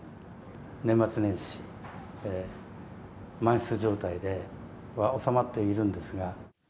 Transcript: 年末年始、満室状態で、おさまっているんですが。